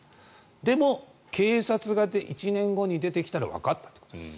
でも、警察が１年後に出てきたらわかったということです。